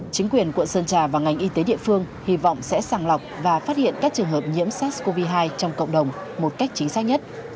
chính quyền quận sơn trà và ngành y tế địa phương hy vọng sẽ sàng lọc và phát hiện các trường hợp nhiễm sars cov hai trong cộng đồng một cách chính xác nhất